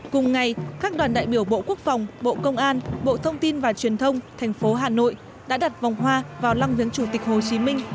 cùng ngày các đoàn đại biểu bộ quốc phòng bộ công an bộ thông tin và truyền thông thành phố hà nội đã đặt vòng hoa vào lăng viếng chủ tịch hồ chí minh